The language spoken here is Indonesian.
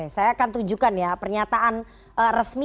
saya akan tunjukkan ya pernyataan resmi